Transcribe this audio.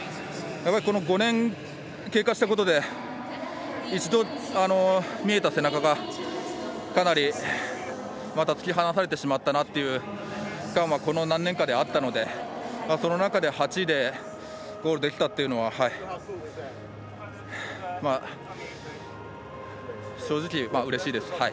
５年経過したことで一度、見えた背中がかなりまたつき離されてしまったなって感はこの何年かであったのでその中で８位でゴールできたっていうのは正直、うれしいです。